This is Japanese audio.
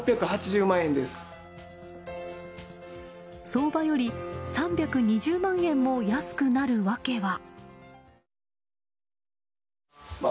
相場より３２０万円も安くなる訳は？